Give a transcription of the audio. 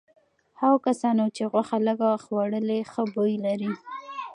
هغو کسانو چې غوښه لږه خوړلي ښه بوی لري.